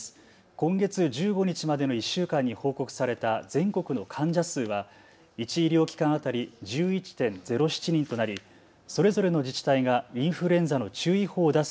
今月１５日までの１週間に報告された全国の患者数は１医療機関当たり１１．０７人となり、それぞれの自治体がインフルエンザの注意報を出す